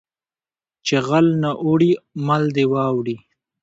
ـ چې غل نه اوړي مل دې واوړي .